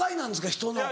人の。